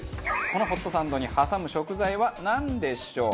このホットサンドに挟む食材はなんでしょう？